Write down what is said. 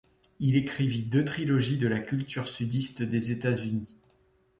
Il écrivit deux trilogies de la culture sudiste des États-Unis.